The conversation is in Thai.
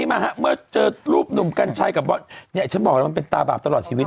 มาฮะเมื่อเจอรูปหนุ่มกัญชัยกับว่าเนี่ยฉันบอกแล้วมันเป็นตาบาปตลอดชีวิต